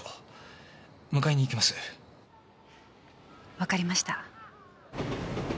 わかりました。